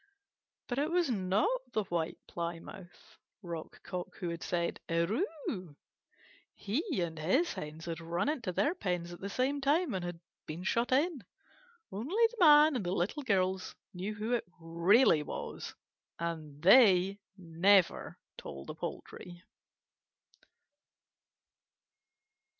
But it was not the White Plymouth Rock Cock who had said "Er ru u u u u!" He and his Hens had run into their pen at the same time, and had been shut in. Only the Man and the Little Girls knew who it really was, and they never told the poultry.